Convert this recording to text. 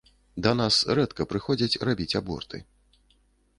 Да нас рэдка прыходзяць рабіць аборты.